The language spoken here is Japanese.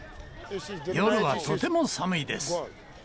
夜はとても寒いです。